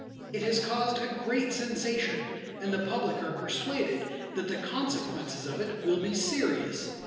It has caused a great sensation, and the public are persuaded that the consequences of it will be serious.